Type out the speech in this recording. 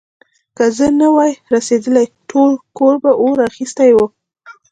که زه نه وای رسېدلی، ټول کور به اور اخيستی و.